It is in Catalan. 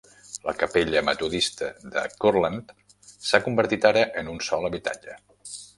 La capella metodista de Curland s'ha convertit ara en un sol habitatge.